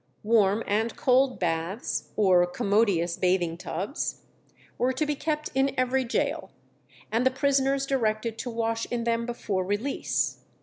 Warm and cold baths, or "commodious bathing tubs," were to be kept in every gaol, and the prisoners directed to wash in them before release.